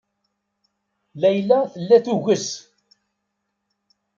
Layla tella tuges.